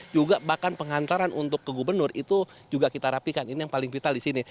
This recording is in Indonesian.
juga bahkan pengantaran untuk ke gubernur itu juga kita rapikan ini yang paling vital di sini